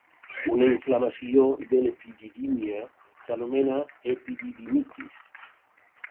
Una inflamació de l'epididímia s'anomena epididimitis.